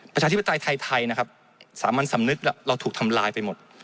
ประชาธิปไตยไทยนะครับสามัญสำนึกเราถูกทำลายไปหมด